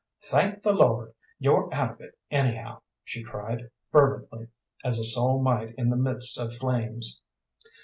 "Thank the Lord, you're out of it, anyhow!" she cried, fervently, as a soul might in the midst of flames.